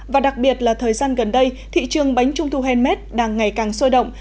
và đặc biệt là thời gian gần đây thị trường bánh trung thu handmade đang ngày càng sôi động